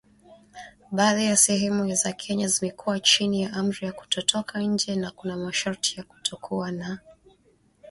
Baadhi ya sehemu za Kenya zimekuwa chini ya amri ya kutotoka nje na kuna masharti ya kutokuwa na mikusanyiko ya usiku.